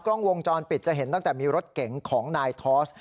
กล้องวงจรปิดจะเห็นตั้งแต่มีรถเก๋งของนายทอส